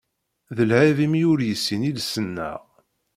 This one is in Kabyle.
D lɛib imi ur yessin iles-nneɣ.